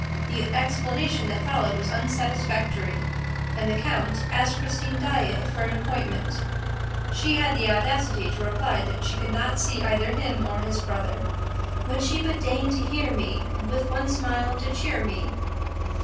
The explanation that followed was unsatisfactory and the count asked Christine Daae for an appointment. She had the audacity to reply that she could not see either him or his brother... "Would she but deign to hear me And with one smile to cheer me